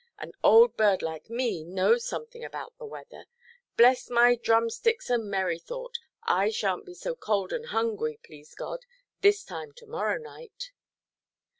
an old bird like me knows something about the weather! Bless my drumsticks and merrythought, I shanʼt be so cold and hungry, please God, this time to–morrow night."